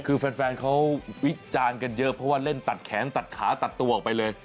คือแฟนเขาวิจารณ์กันเยอะเพราะว่าเล่นตัดแขนตัดขาตัดตัวออกไปเลย